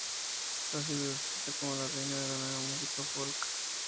Ha sido descrita como la "reina de la nueva música folk.